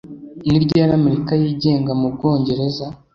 Ni ryari Amerika yigenga mu Bwongereza?